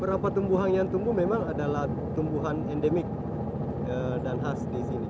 beberapa tumbuhan yang tumbuh memang adalah tumbuhan endemik dan khas disini